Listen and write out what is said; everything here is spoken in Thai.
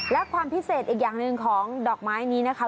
และความพิเศษอีกอย่างหนึ่งของดอกไม้นี้นะคะ